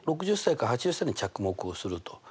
６０歳から８０歳に着目をすると。